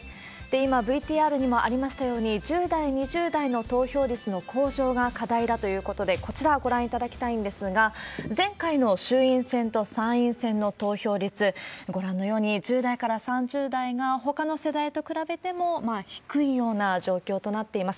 今、ＶＴＲにもありましたように、１０代、２０代の投票率の向上が課題だということで、こちら、ご覧いただきたいんですが、前回の衆院選と参院選の投票率、ご覧のように、１０代から３０代がほかの世代と比べても低いような状況となっています。